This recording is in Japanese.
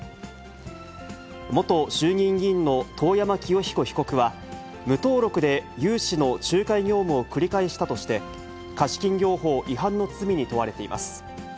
元衆議院議員の遠山清彦被告は、無登録で融資の仲介業務を繰り返したとして、貸金業法違反の罪に問われています。